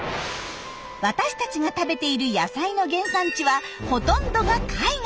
私たちが食べている野菜の原産地はほとんどが海外。